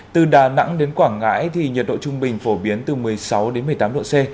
từ đà nẵng đến quảng ngãi thì nhiệt độ trung bình phổ biến từ một mươi sáu đến một mươi tám độ c